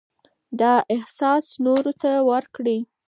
دا احساس نورو ته ورکړئ.